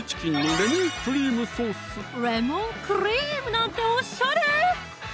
レモンクリームなんておっしゃれ！